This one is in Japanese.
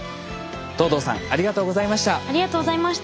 藤堂さんありがとうございました。